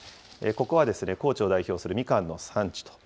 ここは高知を代表するみかんの産地と。